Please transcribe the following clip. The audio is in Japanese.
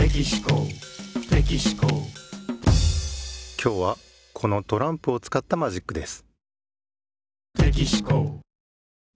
今日はこのトランプをつかったマジックです。